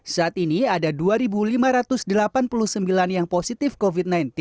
saat ini ada dua lima ratus delapan puluh sembilan yang positif covid sembilan belas